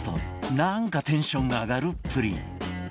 なんかテンションが上がるプリン